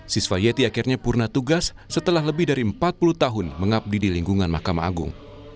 siswa yeti akhirnya purna tugas setelah lebih dari empat puluh tahun mengabdi di lingkungan mahkamah agung